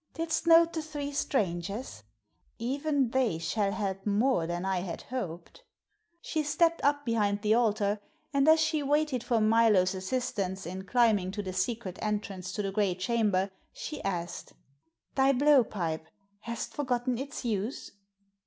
Didst note the three strangers? Even they shall help more than I had hoped." She stepped up behind the altar, and as she waited for Milo's assistance in climbing to the secret entrance to the great chamber she asked: "Thy blow pipe, hast forgotten its use."